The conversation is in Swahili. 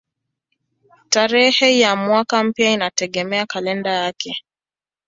Tarehe ya mwaka mpya inategemea kalenda yake.